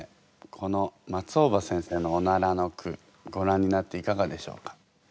この松尾葉先生の「おなら」の句ごらんになっていかがでしょうか？